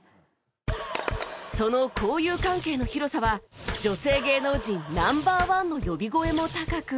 その交友関係の広さは女性芸能人 Ｎｏ．１ の呼び声も高く